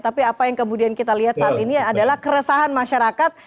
tapi apa yang kemudian kita lihat saat ini adalah keresahan masyarakat